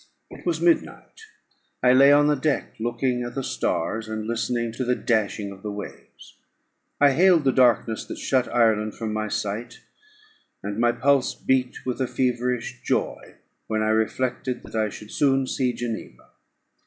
It was midnight. I lay on the deck, looking at the stars, and listening to the dashing of the waves. I hailed the darkness that shut Ireland from my sight; and my pulse beat with a feverish joy when I reflected that I should soon see Geneva.